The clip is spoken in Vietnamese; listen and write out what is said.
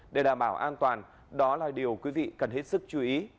để đảm bảo an toàn đó là điều quý vị cần hết sức chú ý